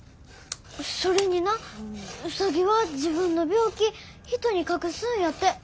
それになウサギは自分の病気人に隠すんやて。